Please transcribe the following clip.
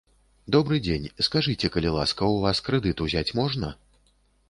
Добры дзень, скажыце, калі ласка, у вас крэдыт узяць можна?